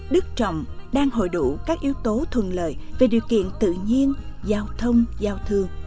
đức trọng đang hội đủ các yếu tố thuần lợi về điều kiện tự nhiên giao thông giao thương